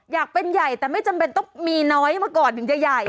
อยากเป็นใหญ่แต่ไม่จำเป็นต้องมีน้อยมาก่อนถึงจะใหญ่